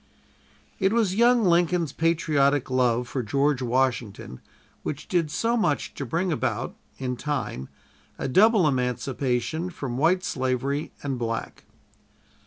It was young Lincoln's patriotic love for George Washington which did so much to bring about, in time, a double emancipation from white slavery and black.